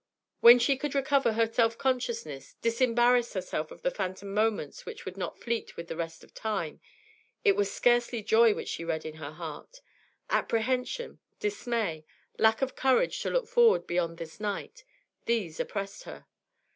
When she could recover self consciousness, disembarrass herself of the phantom moments which would not fleet with the rest of time, it was scarcely joy which she read in her heart; apprehension, dismay, lack of courage to look forward beyond this night, these oppressed her.